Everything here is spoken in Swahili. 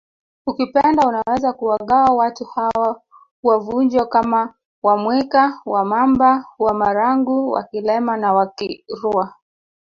Ukipenda unaweza kuwagawa watu hawa wa Vunjo kama WaMwika WaMamba WaMarangu WaKilema na Wakirua